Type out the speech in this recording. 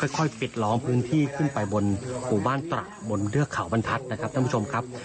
ค่อยปิดล้อมพื้นที่ขึ้นไปบนหมู่บ้านตระบนเทือกเขาบรรทัศน์นะครับท่านผู้ชมครับ